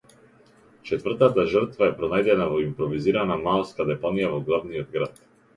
Четвртата жртва е пронајдена во импровизирана маалска депонија во главниот град.